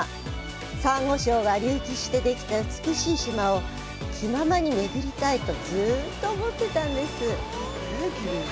サンゴ礁が隆起してできた美しい島を気ままに巡りたいとずっと思っていたんです。